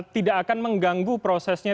tidak akan mengganggu prosesnya